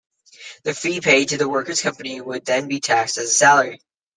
The fee paid to the worker's company would then be taxed as a salary.